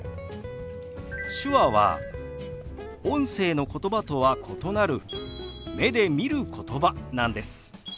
手話は音声のことばとは異なる目で見ることばなんです。